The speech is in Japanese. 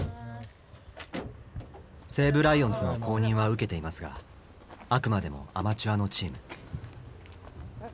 西武ライオンズの公認は受けていますがあくまでもアマチュアのチーム。